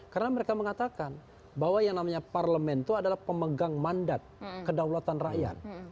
karena mereka mengatakan bahwa yang namanya parlemen itu adalah pemegang mandat kedaulatan rakyat